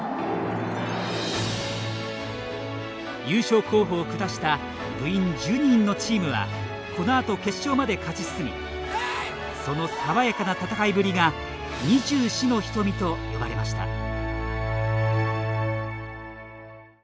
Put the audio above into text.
優勝候補を下した部員１２人のチームはこのあと決勝まで勝ち進みそのさわやかな戦いぶりが「２４の瞳」と呼ばれました。